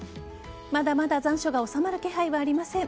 まだまだ残暑が収まる気配はありません。